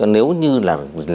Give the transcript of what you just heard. nếu như là